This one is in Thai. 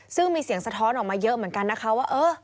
ซึ่งมีเสียงสะท้อนออกมาเยอะเหมือนกันนะคะว่า